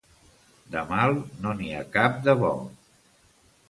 De mal, no n'hi ha cap de bo.